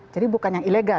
jadi bukan yang ilegal